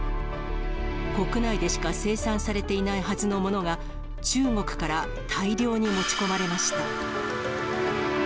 国内でしか生産されていないはずのものが、中国から大量に持ち込まれました。